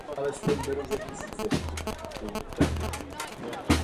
Jak můžeme takové výrobky označovat?